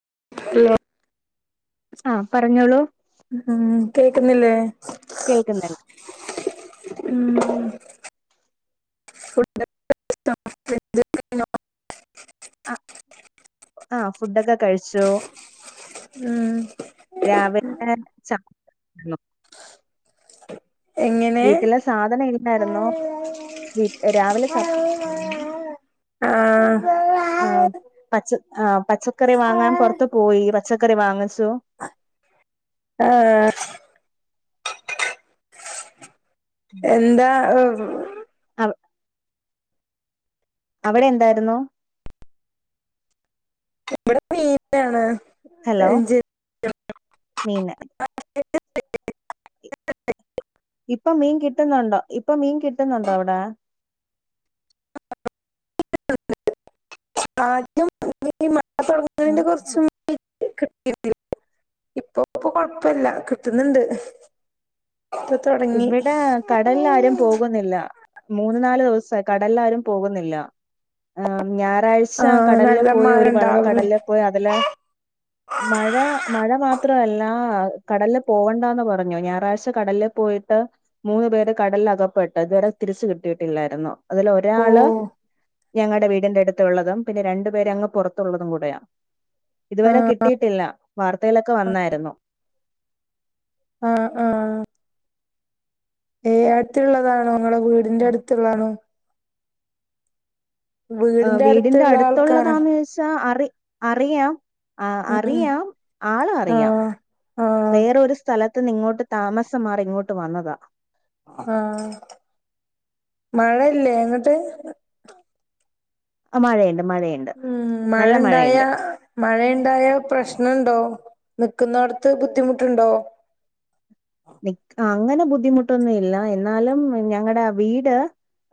[inaudible] ആ പറഞ്ഞോളൂ ഉം കേക്കുന്നില്ലേ കേൾക്കുന്നുണ്ട് മം [unintelligible] ആ ആഹ ഫുഡൊക്കെ കഴിച്ചോ ഉം രാവിലെ [unintelligible] [inaudible] വീട്ടിലെ സാധനം ഇല്ലാർന്നോന്നോ [unintelligible] രാവിലെ [unintelligible] ആഹ് ആഹ പച്ച ആഹ പച്ചക്കറി വാങ്ങാൻ പൊറത്ത് പോയി പച്ചക്കറി വാങ്ങിച്ചു ആഹ എന്താ [inaudible] അവിടെ എന്താരുന്നു ഇവിടെ മീനാണ് ഹലോ മീന [inaudible] ഇപ്പൊ മീൻ കിട്ടുന്നുണ്ടോ ഇപ്പൊ മീൻ കിട്ടുന്നുണ്ടോ അവടെ [unintelligible] [unintelligible] കിട്ടി ഇപ്പൊ ഇപ്പൊ കൊഴപ്പല്ല കിട്ടുന്നുണ്ട് ഇപ്പൊ തുടങ്ങി ഇവിടെ കടലല്ലാരും പോകുന്നില്ല മൂന്ന് നാലുദിവസ കടലാരും പോകുന്നില്ല [unintelligible] ഞായറാഴ്ച ആഹ് കടലില് നല്ല പോയി മഴ ഒരു വെള്ളം ഉണ്ടാവുന്ന് കടലിൽ പോയി അതില മഴ മഴ മാത്രല്ല കടല്ല് പോവണ്ടന്ന് പറഞ്ഞു ഞായറാഴ്ച കടല്ല് പോയിട്ട് മൂന്ന് പേര് കടലിൽ അകപ്പെട്ട് ഇതുവരെ തിരിച്ച് കിട്ടിയിട്ടില്ലായിരുന്നു. അതിൽ ഓ ഒരാള് ഞങ്ങടെ വീടിന്റെടുത്തുള്ളതും പിന്നെ രണ്ടു പേരങ്ങ് പുറത്തുള്ളതും കൂടെയാാ ഇതുവരെ ആഹ് കിട്ടിയിട്ടില്ല വാർ ത്തയിലൊക്കെ വന്നായിരുന്നു ആഹ് ആഹ് ഏ അടുത്തുള്ളതാണോ ങ്ങളടെ വീടിന്റെ അടുത്തുള്ളതാണോ ആ വീടിന്റെ അടുത്തുള്ള ആൾക്കാരാ അടുത്തുള്ളതാന്നോയിച്ചാൽ അറി അറിയാം ആ ഉം ഉം അറിയാം ആള ആ അറിയാം ആ വേറോരു സ്ഥല [unintelligible] ഇങ്ങോട്ട് താമസം മാറി ഇങ്ങോട്ട് വന്നതാ ആഹ് മഴല്ലേ അങ്ങട്ട് അ മഴയുണ്ട് മഴയുണ്ട് ഉം മഴ നല്ല ഉണ്ടായ മഴയുണ്ട് മഴ ഇണ്ടായ പ്രശ്നുണ്ടോ നിക്കുന്നടത്ത് ബുദ്ധിമുട്ടുണ്ടോ? നി അങ്ങനെ ബുദ്ധിമുട്ടൊന്നും ഇല്ല എന്നാലും ഞങ്ങടെ വീട്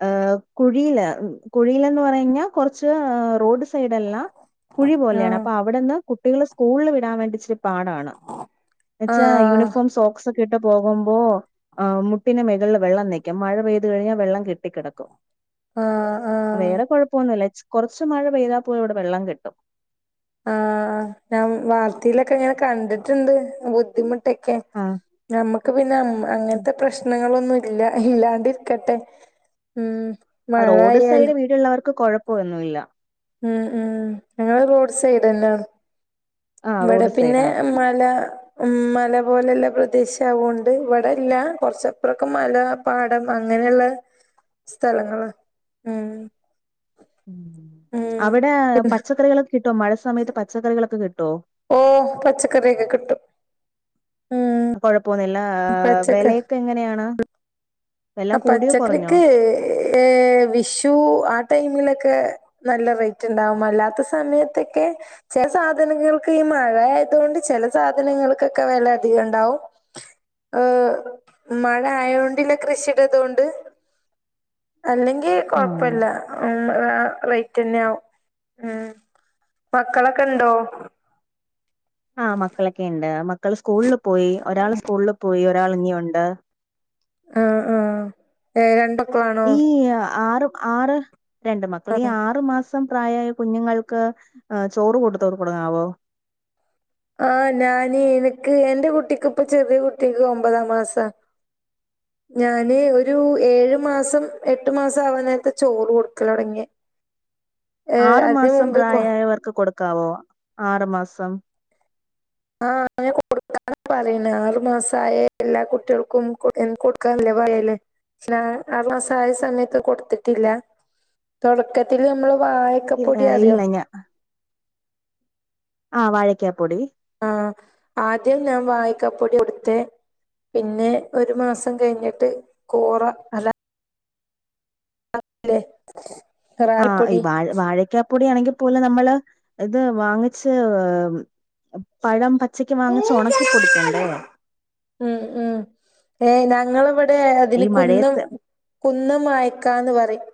ഏഹ് കുഴിയില്, കുഴിയിലന്ന് പറഞ്ഞാൽ കുറച്ച് റോഡ് സൈഡല്ല കുഴി ആ പോലെയാണ് അപ്പൊ അവിടെന്ന് കുട്ടികള് സ്കൂളിൽ വിടാൻ വേണ്ടി ച്ച് പാടാണ് [unintelligible] ആ വെച്ചാ യൂണിഫോം സൊക്സ് [unintelligible] പോകുമ്പോ ആ മുട്ടിന് മെകളില് വെള്ളം നിക്കും. മഴ പെയ്ത് കഴിഞ്ഞാ വെള്ളം കെട്ടിക്കെടക്കും ആ ആ വേറെ കൊഴപ്പൊന്നുല്ല ച്ചി കൊറച്ച് മഴ പെയ്താ പോലും ഇവിട വെള്ളം കെട്ടും ആ ആ ഞാൻ വാർത്തയിലൊക്കെ ഇങ്ങനെ കണ്ട്ട്ടിണ്ട് ബുദ്ധിമു ട്ടെക്കെ ആഹ് ഞമ്മക്ക് പിന്നെ അങ്ങ് ഉം അങ്ങനത്തെ പ്രശ്നങ്ങളൊ ന്നുല്ല ഇല്ലാണ്ടിരിക്കട്ടെ ഉം അത് മഴ റോഡ് സൈഡ് ആയാലും വീടുള്ളവർക്ക് കൊഴപ്പൊന്നുല്ല ഉം ഉം ഞങ്ങള് റോഡ് സൈഡ് ന്ന ആഹ് ഇവിടെ റോഡ് പിന്നെ സൈഡാണ്. മല ഉം മല പോലെള്ള പ്രദേശ ആവൊണ്ട് ഇവിടെ അല്ല കുറച്ചപ്പറൊക്കെ മല പാടം അ അങ്ങനെള്ള സ്ഥലങ്ങളും ഉം ഉം അവിടെ പച്ചക്കറികളൊക്കെ കിട്ടോ മഴ സമയത്ത് പച്ചക്കറികളൊക്കെ കിട്ടോ ഓ പച്ചക്കറിക്കെ കിട്ടും ഉം കൊഴപ്പൊന്നില്ല ആ പച്ചക്ക വെലേക്കെ എങ്ങനെയാണ് വെല ആ കൂടിയോ കൊറഞ്ഞോ? പച്ചക്കറിക്ക് ഏ വിഷു ആ ടൈമിലെ ക്കെ നല്ല റേറ്റ് ഇണ്ടാവും അല്ലാത്ത സമയത്തെക്കെ ചെല സാധനങ്ങൾക്ക് ഈ മഴ ആയതുകൊണ്ട് ചെല സാധനങ്ങൾക്കൊക്കെ വെല അധികം ഉണ്ടാവും ഏഹ് മഴ ആയോണ്ട് പിന്നെ കൃഷിട ഇതുകൊണ്ട് അല്ലെങ്കി കൊഴപ്പല്ല ഉം മ് ആ റേറ്റന്നെ ആവും ഉം മക്കളൊക്കെ ഇണ്ടോ? ആ മക്കളെക്കിണ്ട് മക്കൾ സ്കൂളിൽ പോയി ഒരാൾ സ്കൂളിൽ പോയി ഒരാൾ ഇനിയൊണ്ട് ആ ആ ഏ രണ്ട് മക്കളാണോ ഈ ആറു ആറ് രണ്ട് മക്കള് ഈ ആറു മാസ [unintelligible] പ്രായായ കുഞ്ഞുങ്ങൾക്ക് ചോറ് കൊടുത്ത് [unintelligible] ആ ഞാനീ എനക്ക് എന്റെ കുട്ടിക്കിപ്പൊ ചെറിയ കുട്ടിക്ക് ഒമ്പതാം മാസാ ഞാന് ഒരു ഏഴു മാസം എട്ട് മാസം ആവാൻ നേരത്ത് ചോറ് കൊടുക്കലൊടങ്ങിയേ ആറു മാസം കൊ പ്രായായവർക്ക് കൊടുക്കാവോ ആറു മാസം ആ അങ്ങനെ കൊടു [unintelligible] പറയണ് ആറു മാസയ എല്ലാ കുട്ടികൾക്കും [unintelligible] പറയല് [unintelligible] ആറു മസായ സമയത്ത് കൊടുത്തിട്ടില്ല തൊടക്കത്തില് നമ്മള് ഇ വായക്കപ്പൊടി അറിയോ ഇല്ല ഞാ ആ വാഴയ്ക്കാപ്പൊടി ആ ആദ്യം ഞാൻ വായിക്കാപ്പൊടി കൊടുത്തേ പിന്നെ, ഒരു, മാസം, കഴിഞ്ഞിട്ട്, കോറ, അല്ല അതെ. ആ, ഈ, വാഴ, വാഴയ്ക്ക പ്പൊടി ആണെങ്കിൽ പോലെ നമ്മള് ഇത് വാങ്ങിച്ച് പഴം പ [unintelligible] വങ്ങിച്ചൊണക്കിപ്പൊടിക്കണ്ടേ ഉം ഉം ഏ, ഞങ്ങളവിടെ, ഈ അതിന്, കുന്നം, മഴയത്ത് കുന്നം, അയക്കാന്ന്, പറയും.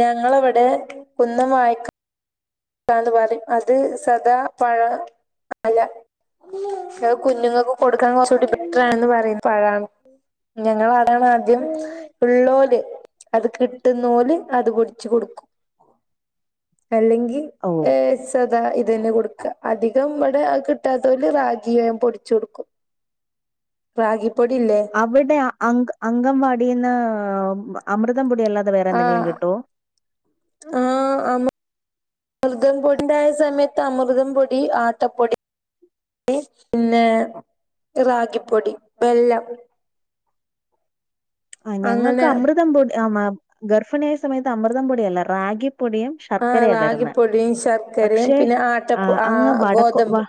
ഞങ്ങളവിടെ, കുന്നം, വാഴയ്ക്ക താന്ന്, പറയും, അത്, സദാ, പഴം, അല്ല അ, കുഞ്ഞുങ്ങക്ക്, കൊടുക്കാൻ, കൊറച്ചുകൂടി, ബെറ്ററാണെന്ന്, പറയുന്നു, പഴം ഞങ്ങള, അതാണാദ്യം, പിള്ളോല് അത്, കിട്ടുന്നോലെ, അത്, പൊടിച്ചു, കൊടുക്കും, അല്ലെങ്കി ഓ. അതാ, ഇതന്നെ, കൊടുക്ക, അധികം, ഇവിടെ, ആ, കിട്ടാത്തോണ്ട്, റാഗിയ, ഞാ, പൊടിച്ചൊടുക്കും. റാഗിപ് അവിടെ, അ, അംഗ, അംഗവാടീന്ന്, ഉം, മ അമൃത് തംപൊടിയല്ലാതെ, വേറെ, എന്തെങ്കിലും, ആഹ് കിട്ടോ? അമൃതംപൊടിണ്ടായ, സമയത്ത്, അമൃതംപൊടി, ആട്ടപ്പൊടി ടീം, പിന്നെ, റാഗിപ്പൊടി, വെല്ലം. അ, ഞങ്ങക്ക്, അങ്ങനെ അമൃതം, പൊടി, ആ, ഗർഫിണിയായ, സമയത്ത്, അമൃതം, പൊടിയല്ല, റാഗി പൊടിയും, ആഹ് ശർക്കരയാ, തര്ന്നെ, റാഗിപ്പൊടിയും ശർക്കരയും പക്ഷെ, പിന്നെ ആ, ആട്ടപ്പ അങ്ങ്, വടക്കൊ, വ ഗോതമ്പ്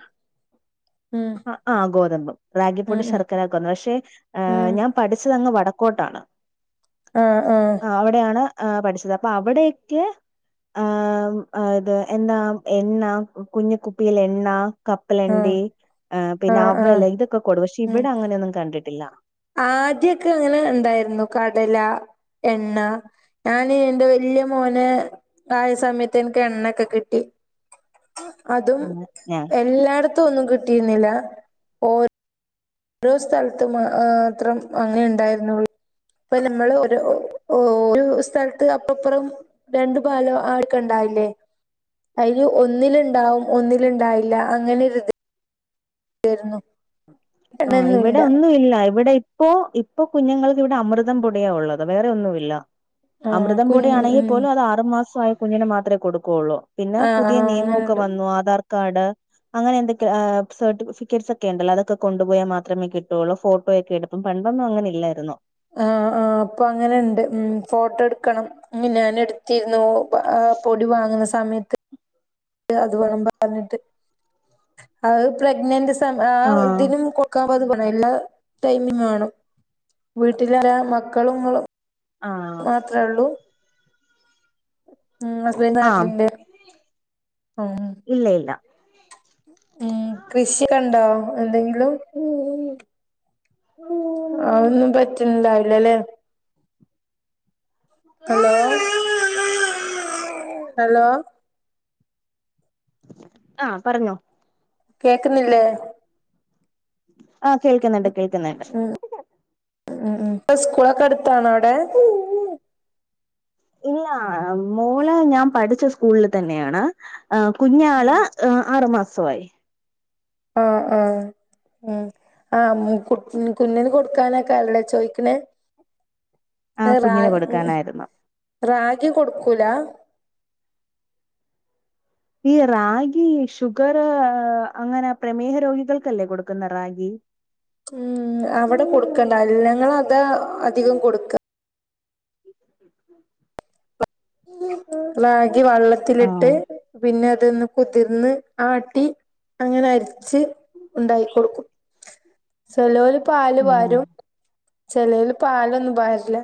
ഉം ആ, ആ, ഗോതമ്പും, റാഗി, ഉം പൊടി, ഉം ശർക്കരൊക്കെ, വന്നു, പക്ഷെ, ഉം ഞാൻ, പഠിച്ചതങ്ങ് വട ക്കോട്ടാണ്. ആ, ആ. ആ, പഠിച്ചത്, അപ്പൊ, അവടെയെക്കെ ആ, അത്, എന്നാ, എണ്ണാ, കുഞ്ഞെ, കുപ്പിയിൽ, എണ്ണാ ആഹ് കപ്പലണ്ടി, പിന്നെ, ആഹ് ആഹ് അവല്, ഇതൊക്കെ, കൊടുകും, പക്ഷെ, ഉം ഇവിടെ, അങ്ങനെയൊന്നും കണ്ടിട്ടില്ല. ആദ്യൊക്കെ, അങ്ങനെ, ഇണ്ടായിര്ന്നു, കടല എണ്ണ, ഞാൻ, ന്റെ, വല്ല്യെ മോന്, ആയ, സമയത്ത്, ഇൻക്ക്, എണ്ണൊക്കെ, കിട്ടി. അതും, അങ്ങനെ ഞാൻ എല്ലാടത്തും, ഒന്നും, കിട്ടീന്നീല ഓ ഓരോ, സ്ഥല്ത്ത്, മാത്രം, അങ്ങനേണ്ടായിര്ന്നൊള്ളു. പ്പൊ, നമ്മൾ, ഒരു, സ്ഥല്ത്ത്, അപ്പൊപ്പറും, രണ്ടു, പാലം, ആക്കണ്ടേ? അല്ലേ, അയില്, ഒന്നില്ണ്ടാവും, ഒന്നില്ണ്ടാവില്ല, അങ്ങനെര്ത് തെരുന്നു. ആ, ഇവിടെ, ഒന്നുവില്ല, ഇവിടെ, ഇപ്പോ ഇ ഇപ്പൊ, കുഞ്ഞുങ്ങൾക്കിവിടെ, അമൃതം, പൊടിയാ, ഉള്ളത്, വേറെ, ഒന്നുവില്ല. ആ അമൃതംപൊടി, കുഞ്ഞ് ഉം ആണെങ്കിപ്പോലും, അതാറ്മാസവായ, കുഞ്ഞിന്, മാത്രേ, കൊടുക്കോള്ളൂ. പിന്നെ, ആ ആ പുതിയ, നിയമവൊക്കെ, അങ്ങനെണ്ട് വന്നു, ആധാർ കാർഡ്, അങ്ങനെ, എന്തൊക്കെ, സർട്ടിഫിക്കറ്റ്സ്, ഒക്കെണ്ടല്ലോ, അതൊക്കെ കൊണ്ടുപോയാ, മാത്രമേ, കിട്ടോള്ളൂ, ഫോട്ടോയൊക്കെ, എടുപ്പും, പണ്ടൊന്നും, അങ്ങന, ഇല്ലായിര്ന്നു. ആ, ആ, പ്പങ്ങനെണ്ട്, ഫോട്ടട്ക്കണം ഞാന്ട്ത്തിര്ന്നു പൊടി, വാങ്ങ്ന്ന, സമയത്ത്. അത്, വാണം, പറഞ്ഞ്ട്ട്, അത്, പ്രഗ്നന്റ്സ് ആ, ആഹ് ഇതിനും, കൊട്ക്കാ [unintelligible] എല്ലാ, ടൈമും, വാണം, വീട്ട്ലായാ മക്കളുങ്ങളും ആഹ്. അസ്ബന്റ്, ആഹ് നാട്ട്ലില്ലെ, മ്. ഇല്ല ഇല്ല കൃഷ്യൊക്കെണ്ടോ എന്തെങ്കിലും? അഒന്നും, പറ്റ്ണ്ടാവില്ലലേ? ഹലോ. ആ പറഞ്ഞോ കേക്ക്ന്നില്ലേ ആ, കേൾക്ക്ന്ന്ണ്ട്, കേൾക്ക്ന്ന്ണ്ട്. പ്പൊ, സ്കൂളൊക്കെ, എട്ത്താണോ, അവ്ടെ? ഇല്ലാ മോള് ഞാൻ പഠിച്ച സ്കൂളിൽ തന്നെയാണ് കുഞ്ഞാള് ആറുമാസം സുഖായി ആ ആ ആ കുഞ്ഞന് കൊടുക്കാനൈക്കാര ല്ലെ ചോയിക്ക്ണ് ആഹ് റാ കുഞ്ഞിന് കൊടുക്കാനായിരുന്നു റാഗി കൊട്ക്കൂലാ ഈ റാഗി ഷുഗർ അങ്ങനെ പ്രമേഹ രോഗികൾക്കല്ലേ കൊടുക്ക്ന്നെ റാഗി അവടെ കൊട്ക്കണ്ടാവൂല ഞങ്ങളതാ അധികം കൊട്ക്ക്അ റാഗി വള്ളത്ത്ല്ട്ട് ആഹ് പിന്നതൊന്ന് കുതിർന്ന് ആട്ടി അങ്ങനെ അര്ച്ച് ഉണ്ടാക്കിക്കൊട്ക്കും ചെലോല് പാല് ഉം പാരും ചിലോൽ പാലൊന്നും പാര്ല്ല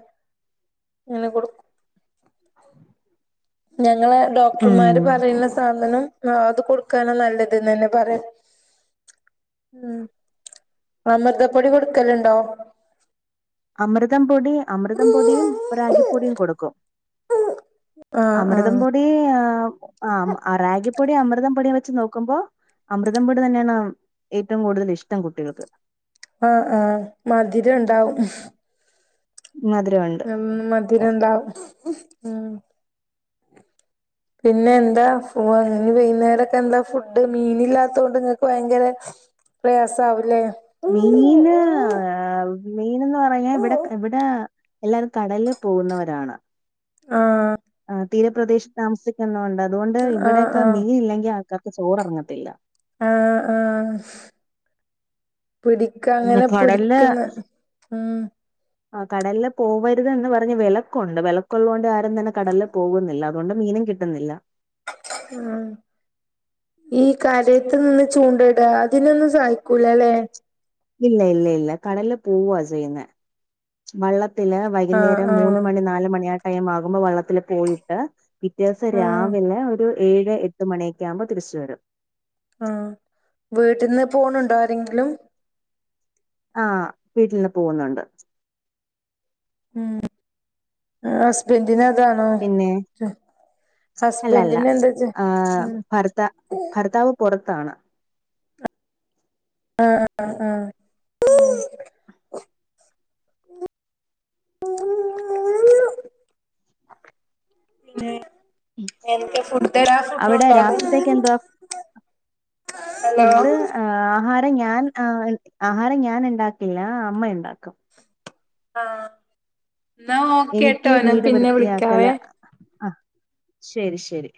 ഇങ്ങനെ കൊടുക്കു [unintelligible] ഞങ്ങള് ഉം ഡോക്ടർമാര് പറയുന്ന സാധനം ആഹ അത് കൊടുക്കാന നല്ലത് ന്നെന്നെ പറയാ ഉം അമൃത പൊടി കൊടുക്കല്ണ്ടോ? അമൃതം പൊടി അമൃതം പൊടിയും റാഗിപ്പൊടിയും കൊടുക്കും ആഹ് അമൃതം ആഹ് പൊടി ആ അറാഗിപ്പൊടി അമൃതം പൊടിയ വെച്ച് നോക്ക നോക്കുമ്പോ അമൃതംപൊടി തന്നെയാണ് ഏറ്റവും കൂടുതൽ ഇഷ്ടം കുട്ടികൾക്ക്. ആഹ ആഹ മധിരഉണ്ടാവും. മധുരമുണ്ട് ഉം മധിരം ണ്ടാവും. പിന്നെ എന്താ ഫോ വൈകുന്നേരൊക്കെ എന്താ ഫുഡ്? മീന്ല്ലാത്തോണ്ട് ഇങ്ങൾക്ക് ഭയങ്കരെ പ്പ്രയാസവുല്ലേ? മീന് ആ മീനെന്ന് പറഞ്ഞാ ആഹ് ഇവിടെക് ഇവിടെ എല്ലാരും കടൽപോകുന്നവരാണ്. ആഹ പ്രദേശത്ത് താമസിക്കുന്നൊണ്ട് അതുകൊണ്ട് ഇവിടെയൊക്കെ ആഹ് മീൻല്ലെങ്കിൽ ആൾക്കാർക്ക് ചോറെർങ്ങത്തില്ല. ആ ആ പിടിക്ക അങ്ങനെ കടലില് പിടിക്ക്ന്ന ഉം ആ കടലിൽ പോവര്ത് എന്ന് പറഞ്ഞ് വെലക്കുണ്ട് വെലക്കുള്ളതുകൊണ്ട് ആരും തന്നെ കടല്ല് പോകുന്നില്ല. അതുകൊണ്ട് മീനും കിട്ടുന്നില്ല. [unintelligible] ആഹ ഈ കാര്യത് നിന്ന് ചൂണ്ടടാ അതിനൊന്നും സായിക്കൂലല്ലേ? ഇല്ല ഇല്ല ഇല്ല കടൽല് പോവാ ചെയ്യുന്ന വള്ള തില് ആഹ് വൈകുന്നേരം മൂന്ന് ആഹ് മണി നാല് മണി ആ ടൈം ആകുമ്പോ വെള്ളത്തില് പോയിട്ട് പിറ്റേസം ആഹ് രാവിലെ ഒരു ഏഴ് എട്ട് മണിയൊക്കെ ആവുമ്പോ തിര്ച്ചുവരും ആഹ വീട്ടിന്ന് പോണുണ്ടോ ആരെങ്കിലും? ആഹ വീട്ടിൽ നിന്ന് പോകുന്നുണ്ട്. ഉ ഹസ്ബൻറിന് അതാണോ പിന്നെ ജോ അല്ലല്ല ഹസ്ബൻഡിന് എന്താ ആ ഉം ഭർത്ത ഭർത്താവ് പുറത്താണ് ആഹ ആഹ ആഹ ഉ പിന്നെ ഏതൊക്കെ ഫുഡ്ഡഡാ ആ ഫുഡ [inaudible] അവിടെ ഉണ്ടാകും രാത്രിത്തേക്ക് എന്തുവാ ഹലോ ഫുഡ് ആ ആഹാര ഞാൻ ആ ആഹാരം ഞാൻണ്ടാക്കില്ല അമ്മയുണ്ടാക്കും. ആ ന്നാ വോക്കെ എനിക്ക് ട്ടോ ന പിന്നെ വിളിക്കാവേ. ശെരി ശെരി.